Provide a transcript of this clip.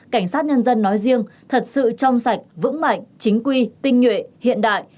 cảnh sát nhân dân nói riêng thật sự trong sạch vững mạnh chính quy tinh nhuệ hiện đại